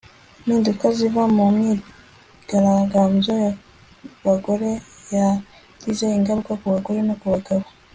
Impinduka ziva mu myigaragambyo yabagore zagize ingaruka ku bagore no ku bagabo